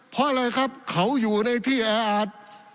เพราะอะไรครับเขาอยู่ในที่แออาจ